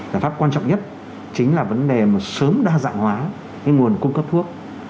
giải pháp quan trọng nhất chính là vấn đề mà sớm đa dạng hóa nguồn cung cấp thuốc